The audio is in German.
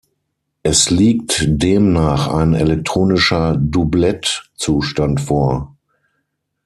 Es liegt demnach ein elektronischer "Dublett"-Zustand vor.